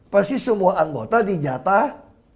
pasti semua anggota di jatah